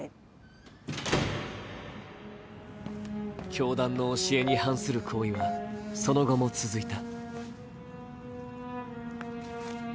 教団の教えに反する行為はその後も続いた。